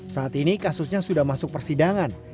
saat ini kasusnya sudah masuk persidangan